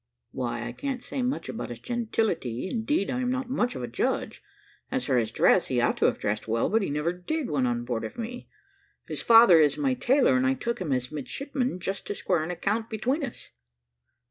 "Why, I can't say much about his gentility; indeed, I am not much of a judge. As for his dress, he ought to have dressed well, but he never did when on board of me. His father is my tailor, and I took him as midshipman, just to square an account between us."